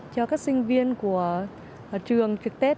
cho các sinh viên của trường trực tết